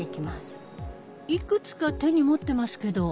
いくつか手に持ってますけど。